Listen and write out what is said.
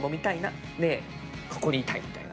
「ねぇここにいたい」みたいな。